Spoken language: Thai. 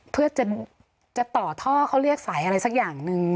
เพื่อจะต่อท่อเขาเรียกสายอะไรสักอย่างหนึ่ง